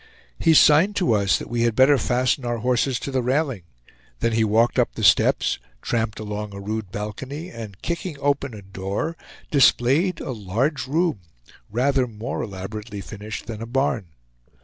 He signed to us that we had better fasten our horses to the railing; then he walked up the steps, tramped along a rude balcony, and kicking open a door displayed a large room, rather more elaborately finished than a barn.